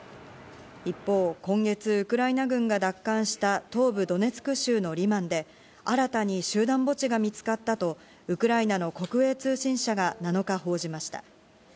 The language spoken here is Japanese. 一方、今月ウクライナ軍が奪還した東部ドネツク州のリマンで新たに集団墓地が見つかったと、ウクライナの国営通信社が７日、報じました。